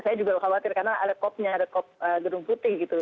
saya juga khawatir karena ada kopnya ada kop gedung putih gitu